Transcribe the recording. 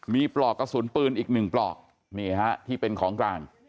มีปลอกกระสุนปืนอีกหนึ่งปลอกนี่ฮะที่เป็นของกลาง